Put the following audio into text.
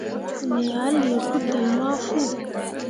Me ah lii kudelle ma fu.